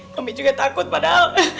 mami juga takut padahal